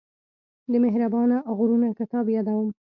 د مهربانه غرونه کتاب يادوم.